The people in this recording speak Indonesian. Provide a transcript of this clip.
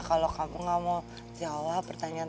kalau kamu gak mau jawab pertanyaan